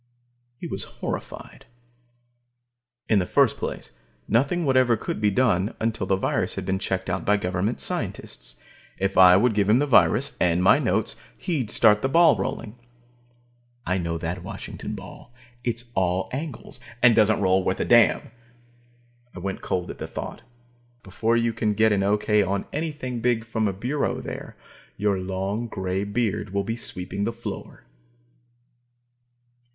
He was horrified. In the first place, nothing whatever could be done until the virus had been checked out by government scientists. If I would give him the virus, and my notes, he'd start the ball rolling. I know that Washington ball; it's all angles, and doesn't roll worth a damn. I went cold at the thought. Before you can get an okay on anything big from a bureau there, your long, grey beard will be sweeping the floor.